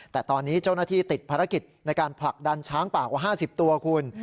แต่ตอนนี้เจ้าหน้าที่ติดภารกิจในการผลักดันช้างป่ากว่า๕๐ตัวคุณ